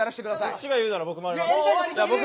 そっちが言うなら僕もあります。